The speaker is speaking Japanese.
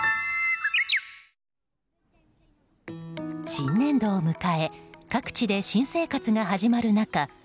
新年度を迎え各地で新生活が始まる中